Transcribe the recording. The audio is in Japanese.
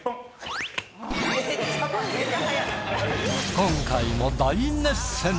今回も大熱戦！